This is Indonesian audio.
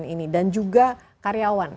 ini dan juga karyawan